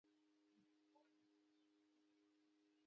د پانګوال وروستی هدف د زیاتو پیسو لاسته راوړل دي